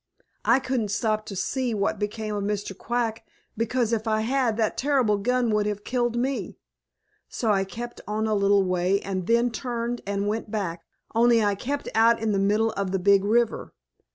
I couldn't stop to see what became of Mr. Quack, because if I had, that terrible gun would have killed me. So I kept on a little way and then turned and went back, only I kept out in the middle of the Big River.